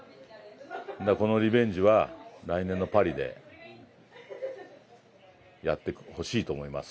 このリベンジは来年のパリでやってほしいと思います。